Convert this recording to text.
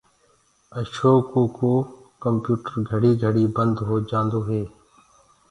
اشوڪو ڪمپيوٽر گھڙي گھڙي بنٚد هوجآنٚدو هي